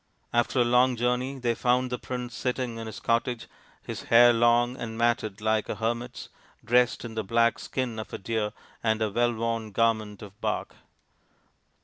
After a long journey they found the prince sitting in his cottage, his hair long and matted like a hermit's, dressed in the black skin of the deer and a well worn garment of bark.